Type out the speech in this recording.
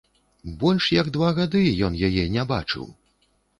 Больш як два гады ён яе не бачыў!